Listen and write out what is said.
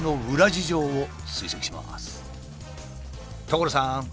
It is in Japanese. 所さん！